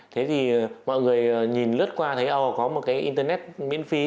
thế thì mọi người nhìn lướt qua thấy or có một cái internet miễn phí